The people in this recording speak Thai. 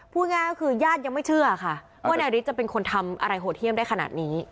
พูดง่ายก็คือญาติยังไม่เชื่อค่ะว่านายฤทธิจะเป็นคนทำอะไรโหดเยี่ยมได้ขนาดนี้